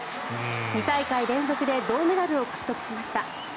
２大会連続で銅メダルを獲得しました。